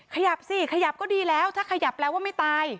ขยับสิขยับก็ดีแล้วถ้าขยับแปลว่าไม่ตาย